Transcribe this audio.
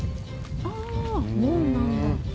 「ああ門なんだ」